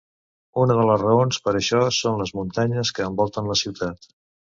Una de les raons per això són les muntanyes que envolten la ciutat.